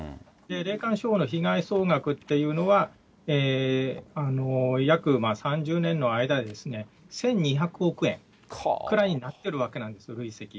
霊感商法の被害総額っていうのは、約３０年の間で１２００億円くらいになってるわけなんです、累積。